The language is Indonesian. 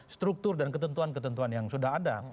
struktur dan ketentuan ketentuan yang sudah ada